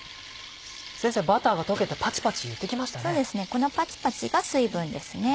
このパチパチが水分ですね